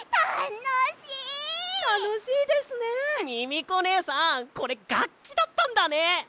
ミミコねえさんこれがっきだったんだね！